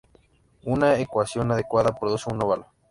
Una ecuación adecuada produce un óvalo.